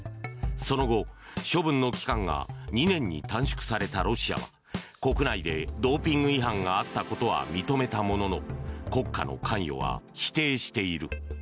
その後、処分の期間が２年に短縮されたロシアは国内でドーピング違反があったことは認めたものの国家の関与は否定している。